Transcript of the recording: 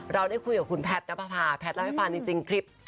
เราได้คุยกับคุณแพทย์นะภาพาแพทย์เล่าให้ฟันจริงคลิป